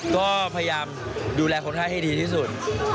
ก็พยายามดูแลคนไข้ให้ดีที่สุด